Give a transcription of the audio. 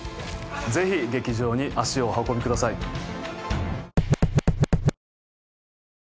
ぜひ劇場に足をお運びください。